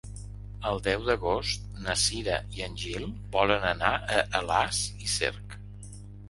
El deu d'agost na Cira i en Gil volen anar a Alàs i Cerc.